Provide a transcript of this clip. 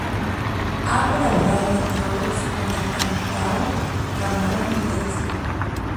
Ha colaborado, entre otros, con el cantaor Camarón de la Isla.